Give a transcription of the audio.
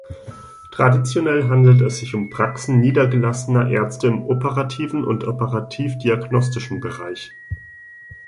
Traditionell handelt es sich um Praxen niedergelassener Ärzte im operativen und operativ-diagnostischen Bereich.